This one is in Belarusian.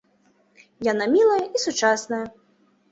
Яна мілая і сучасная.